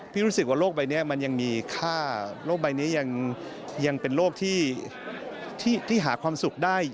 รู้สึกว่าโลกใบนี้มันยังมีค่าโรคใบนี้ยังเป็นโรคที่หาความสุขได้